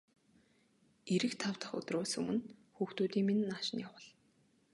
Ирэх тав дахь өдрөөс өмнө хүүхдүүдийг минь нааш нь явуул.